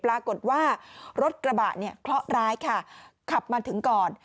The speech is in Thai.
ปรากฏว่ารถกระบะเคราะห์ร้ายขับมาถึงก่อน